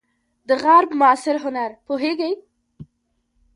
د غرب معاصر هنر پوهیږئ؟